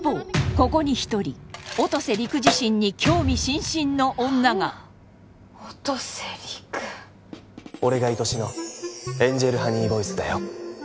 ここに一人音瀬陸自身に興味津々の女が何なん音瀬陸俺が愛しのエンジェルハニーボイスだよ